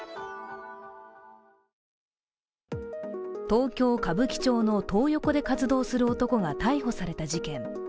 東京・歌舞伎町のトー横で活動する男が逮捕された事件。